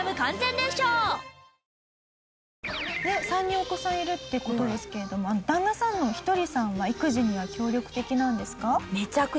３人お子さんいるって事ですけれども旦那さんのひとりさんは育児には協力的なんですか？